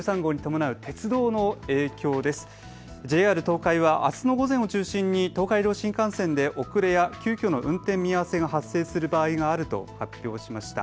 ＪＲ東海はあすの午前を中心に東海道新幹線で遅れや急きょの運転見合わせが発生する場合があると発表しました。